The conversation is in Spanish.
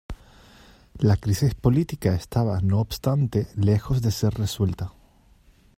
La crisis política estaba, no obstante, lejos de ser resuelta.